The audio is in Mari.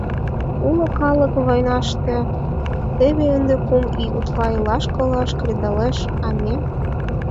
— Уло калык — войнаште, теве ынде кум ий утла илаш-колаш кредалеш, а ме?..